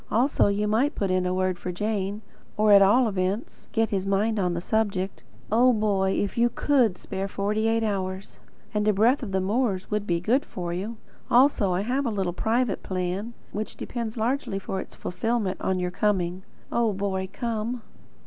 Also you might put in a word for Jane; or at all events, get at his mind on the subject. Oh, Boy, if you COULD spare forty eight hours! And a breath of the moors would be good for you. Also I have a little private plan, which depends largely for its fulfilment on your coming. Oh, Boy come!